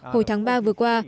hồi tháng ba vừa qua